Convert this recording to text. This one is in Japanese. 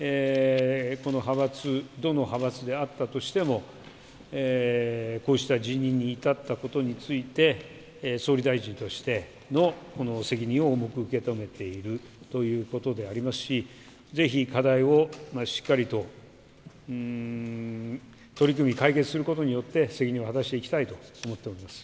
この派閥、どの派閥であったとしても、こうした辞任に至ったことについて、総理大臣としてのこの責任を重く受け止めているということでありますし、ぜひ課題をしっかりと取り組み、解決することによって、責任を果たしていきたいと思っております。